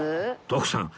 徳さん